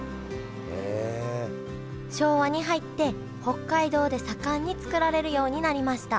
昭和に入って北海道で盛んに作られるようになりました